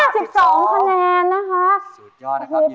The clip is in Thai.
เสร็จปั้ง